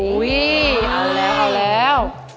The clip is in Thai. อุ๊ยเอาแล้วเอาแล้ว